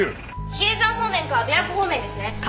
比叡山方面か琵琶湖方面ですね。